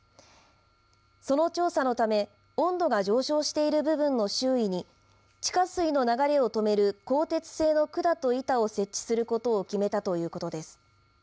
その調査のため温度が上昇している部分の周囲に地下水の流れを止める鋼鉄製の管と板を設置することを決めたということです。